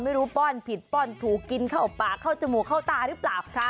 ไม่รู้ป้อนผิดป้อนถูกกินเข้าปากเข้าจมูกเข้าตาหรือเปล่าค่ะ